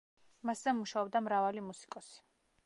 მასზე მუშაობდა მრავალი მუსიკოსი.